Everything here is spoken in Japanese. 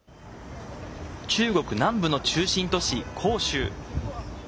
中国南部の中心都市、広州。